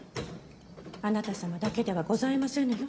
あなた様だけではございませぬよ。